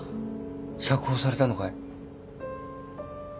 釈放されたのかい？